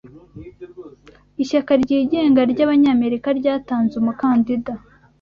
Ishyaka ryigenga ry’Abanyamerika ryatanze umukandida